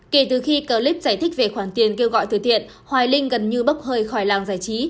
kể từ khi clip giải thích về khoản tiền kêu gọi từ thiện hoài linh gần như bốc hơi khỏi làng giải trí